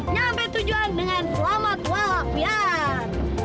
nyampe tujuan dengan selamat walaupun